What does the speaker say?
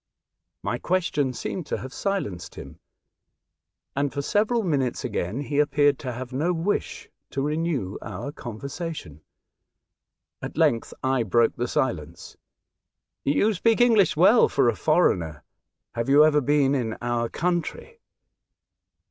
My question seemed to have silenced him, and, for several minutes again, he appeared to have no wish to renew our conversation. At length I broke the silence. "You speak English well for a foreigner. Have you ever been in our country